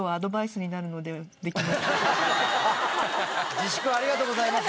自粛ありがとうございます。